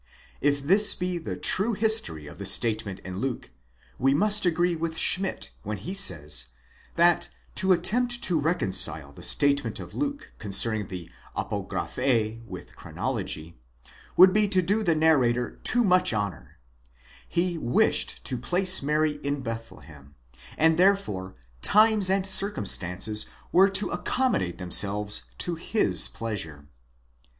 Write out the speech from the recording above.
Τ this be the true history of the statement in Luke, we must agree with K. Ch. L. Schmidt when he says, that to attempt to reconcile the statement of Luke concerning the ἀπογραφὴ with chronology, would be to do the narrator too much honour; he wished to place Mary in Bethlehem, and therefore times and circumstances were to accommodate themselves to his pleasure